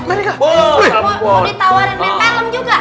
terus ditawarin main film juga